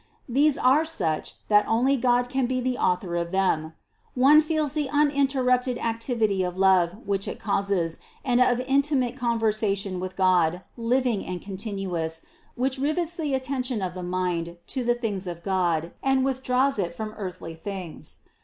These are such, that only God can be the Author of them. One feels the un interrupted activity of love which it causes, and of inti mate conversation with God, living and continuous, which rivets the attention of the mind to the things of God and withdraws it from earthly things.